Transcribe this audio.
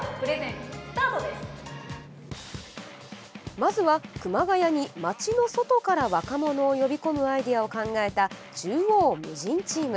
まずは、熊谷に町の外から若者を呼び込むアイデアを考えた縦横無尽チーム。